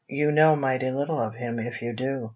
You know mighty little of him if you do.